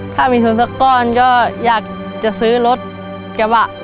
ถ้ามีส่วนสักก้อนก็อยากจะซื้อรถกระบะมากกว่า